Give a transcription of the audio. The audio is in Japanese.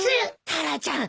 タラちゃん